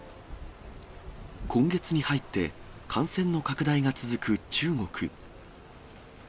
今月に入って、感染の拡大が続く中国。